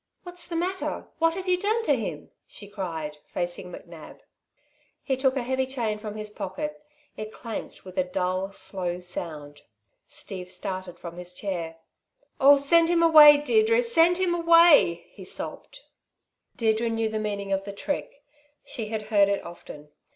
"What's the matter? What have you done to him?" she cried, facing McNab. He took a heavy chain from his pocket. It clanked with a dull, slow sound. Steve started from his chair. "Oh, send him away, Deirdre, send him away!" he sobbed. Deirdre knew the meaning of the trick. She had heard it often.